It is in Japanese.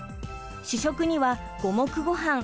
主食には五目ご飯。